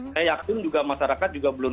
saya yakin juga masyarakat juga belum